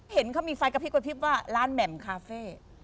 เห็นเขามีไฟกระพริบกระพริบว่าร้านแหม่มคาเฟ่